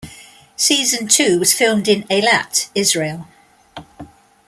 Season two was filmed in Eilat, Israel.